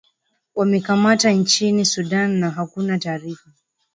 wamekamata nchini sudan na hakuna taarifa